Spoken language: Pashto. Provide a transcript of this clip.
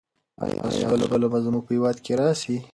ایا سوله به زموږ په هېواد کې راسي؟